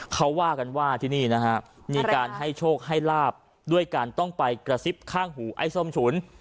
เขาว่ากันว่าที่นี่นะฮะมีการให้โชคให้ลาบด้วยการต้องไปกระซิบข้างหูไอ้ส้มฉุน